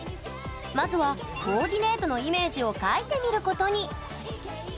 まずはコーディネートのイメージを描いてみることに。